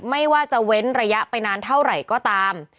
ไม่ว่าจะเว้นระยะไปนานเท่าไหร่ก็ตาม